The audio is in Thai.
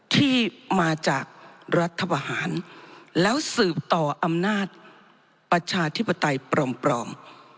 ที่มาจากรัฐบาหารแล้วสืบต่ออำนาจประชาธิปไตยปลอม